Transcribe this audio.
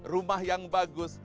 rumah yang bagus